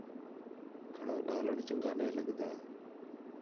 گھݨاں ڳاھلݨ چَنڳا نے لڳدا